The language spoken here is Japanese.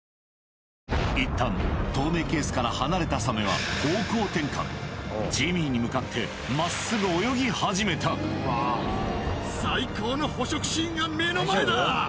いったん透明ケースから離れたジミーに向かって真っすぐ泳ぎ始めた最高の捕食シーンが目の前だ！